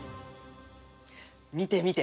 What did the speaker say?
見てみて！